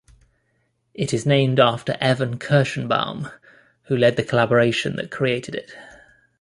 It is named after Evan Kirshenbaum, who led the collaboration that created it.